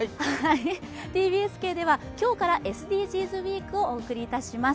ＴＢＳ系では、今日からＳＤＧｓウイークをお送りいたします。